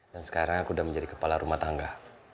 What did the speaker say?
dan sekarang aku udah menjadi kepala rumah tangga